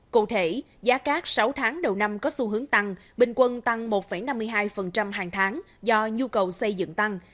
cụ thể giá các sáu tháng đầu năm có xu hướng tăng bình quân tăng một năm mươi hai hàng tháng do nhu cầu xây dựng tăng